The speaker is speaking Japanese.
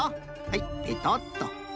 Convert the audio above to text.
はいペトッと。